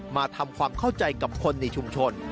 มาทำความเข้าใจกับคนในชุมชน